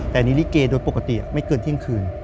แต่อันนี้ลิเกโดยปกติอ่ะไม่เกินเที่ยงคืน